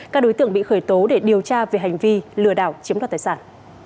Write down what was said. các đối tượng bị khởi tố để điều tra về hành vi lừa đảo chiếm đoạt tài sản